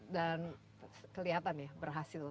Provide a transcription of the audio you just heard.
dan kelihatan ya berhasil